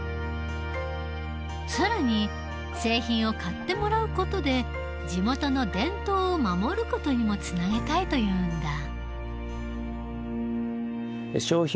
更に製品を買ってもらう事で地元の伝統を守る事にもつなげたいというんだ。